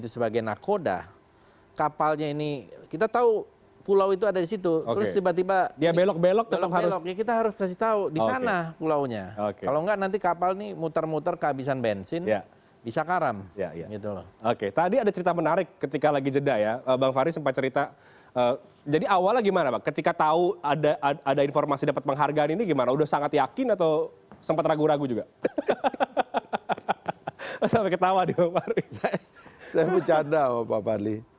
saya bercanda sama pak fahri